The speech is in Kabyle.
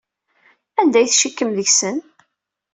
Anda ay tcikkem deg-sen?